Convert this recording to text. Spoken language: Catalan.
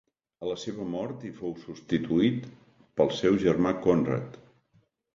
A la seva mort, hi fou substituït pel seu germà Conrad.